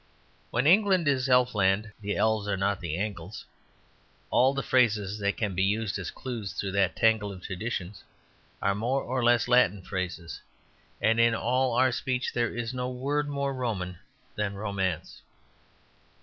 When England is Elfland, the elves are not the Angles. All the phrases that can be used as clues through that tangle of traditions are more or less Latin phrases. And in all our speech there was no word more Roman than "romance."